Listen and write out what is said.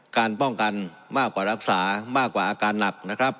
การป้องกันมากกว่ารักษามากกว่าอาการหนักนะครับ